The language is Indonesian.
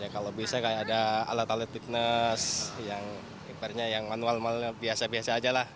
kalau bisa ada alat alat fitness yang manual manual biasa biasa saja lah